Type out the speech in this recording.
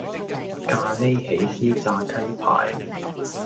咖哩起司炸雞排